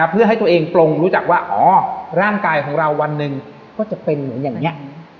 เพื่อให้ตัวเองปลงรู้จักว่าอ๋อร่างกายของเราวันหนึ่งก็จะเป็นเหมือนอย่างนี้